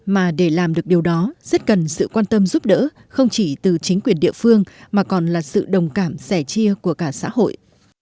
mà để làm được điều đó rất cần sự quan tâm giúp đỡ không chỉ từ chính quyền địa phương mà còn là sự đồng cảm sẻ chia của cả xã hội